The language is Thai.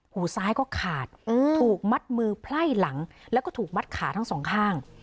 หูซ้ายก็ขาดถูกมัดมือไพ่หลังแล้วก็ถูกมัดขาทั้งสองข้าง